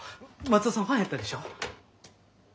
松戸さんファンやったでしょ？